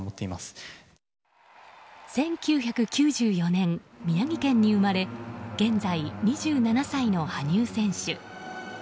１９９４年、宮城県に生まれ現在、２７歳の羽生選手。